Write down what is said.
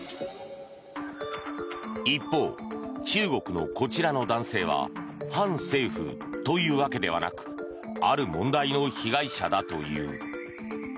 一方、中国のこちらの男性は反政府というわけではなくある問題の被害者だという。